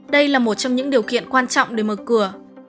đây là một trong những điều kiện quan trọng để mở cửa